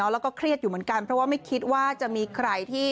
แล้วก็เครียดอยู่เหมือนกันเพราะว่าไม่คิดว่าจะมีใครที่